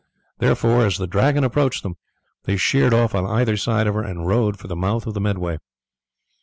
Therefore, as the Dragon approached them, they sheered off on either side of her and rowed for the mouth of the Medway.